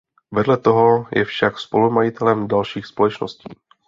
Vedle toho je však spolumajitelem dalších společností.